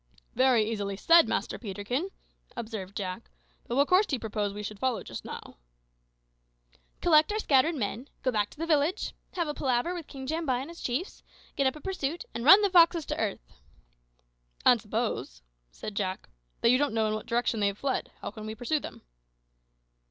"Very easily said, Master Peterkin," observed Jack; "but what course do you propose we should follow just now?" "Collect our scattered men; go back to the village; have a palaver with King Jambai and his chiefs; get up a pursuit, and run the foxes to earth." "And suppose," said Jack, "that you don't know in which direction they have fled, how can we pursue them?"